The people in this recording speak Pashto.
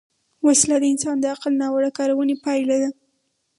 وسله د انسان د عقل ناوړه کارونې پایله ده